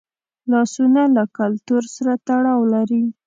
لاسونه له کلتور سره تړاو لري